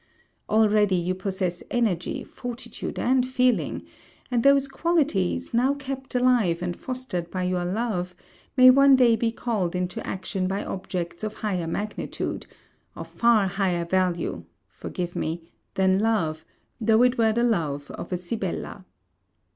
Already, you possess energy, fortitude, and feeling; and those qualities, now kept alive and fostered by your love, may one day be called into action by objects of higher magnitude, of far higher value, (forgive me) than love, though it were the love of a Sibella.